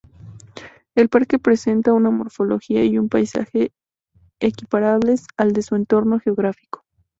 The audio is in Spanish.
El parque presenta una morfología y un paisaje equiparables al de su entorno geográfico.